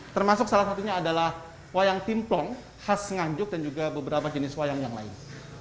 termasuk salah satunya adalah wayang timplong khas nganjuk dan juga beberapa jenis wayang yang lain